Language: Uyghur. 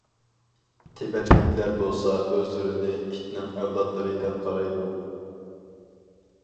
تىبەتلىكلەر بولسا ئۆزلىرىنى ئىتنىڭ ئەۋلادلىرى دەپ قارايدۇ.